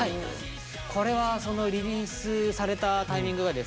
これはそのリリースされたタイミングがですね